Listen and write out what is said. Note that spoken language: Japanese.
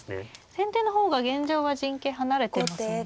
先手の方が現状は陣形離れてますもんね。